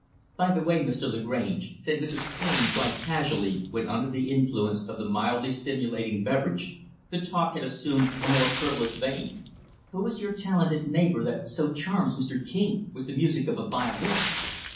"By the way, Mr. Lagrange," said Mrs. Taine, quite casually, when, under the influence of the mildly stimulating beverage, the talk had assumed a more frivolous vein, "Who is your talented neighbor that so charms Mr. King with the music of a violin?"